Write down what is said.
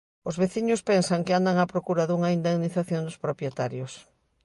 Os veciños pensan que andan á procura dunha indemnización dos propietarios.